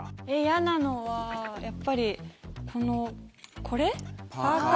嫌なのはやっぱりこのこれ？